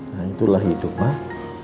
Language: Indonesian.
nah itulah hidup mak